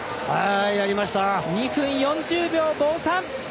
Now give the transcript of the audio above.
２分４０秒５３。